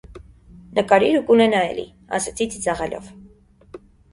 - Նկարիր ու կունենա է՛լի,- ասացի ծիծաղելով: